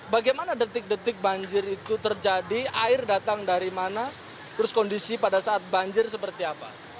bagaimana detik detik banjir itu terjadi air datang dari mana terus kondisi pada saat banjir seperti apa